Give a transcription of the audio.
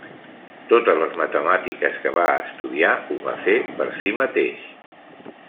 Totes les matemàtiques que va estudiar ho va fer per si mateix.